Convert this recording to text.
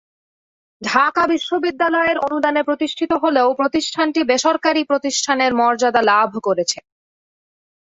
ঢাকা বিশ্ববিদ্যালয়ের অনুদানে প্রতিষ্ঠিত হলেও প্রতিষ্ঠানটি বেসরকারী প্রতিষ্ঠানের মর্যাদা লাভ করেছে।